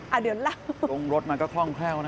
อ่ะเดี๋ยวล่ะตรงรถมันก็คล่องแคล่วนะ